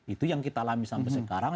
itu yang kita alami sampai sekarang